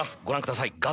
ご覧ください